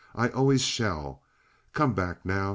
I always shall. Come back now.